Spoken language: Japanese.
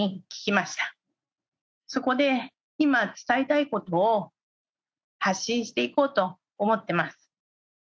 そこで今伝えたいことを発信していこうと思ってます。